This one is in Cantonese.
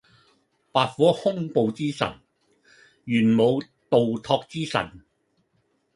白虎兇暴之神，玄武盜拓之神